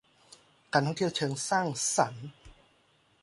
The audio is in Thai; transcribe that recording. การท่องเที่ยวเชิงสร้างสรรค์